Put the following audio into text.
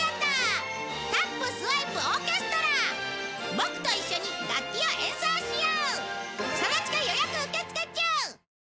ボクと一緒に楽器を演奏しよう！